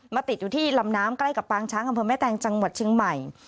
ติดอยู่ที่ลำน้ำใกล้กับปางช้างอำเภอแม่แตงจังหวัดเชียงใหม่